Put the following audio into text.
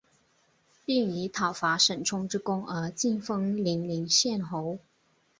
并以讨伐沈充之功而进封零陵县侯。